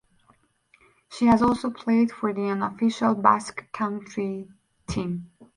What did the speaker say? She has also played for the unofficial Basque Country team.